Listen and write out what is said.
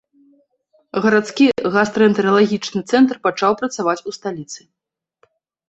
Гарадскі гастраэнтэралагічны цэнтр пачаў працаваць у сталіцы.